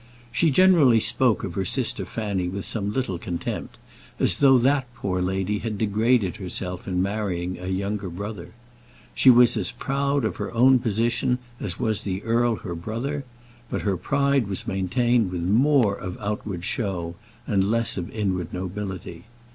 She generally spoke of her sister Fanny with some little contempt, as though that poor lady had degraded herself in marrying a younger brother. She was as proud of her own position as was the earl her brother, but her pride was maintained with more of outward show and less of inward nobility.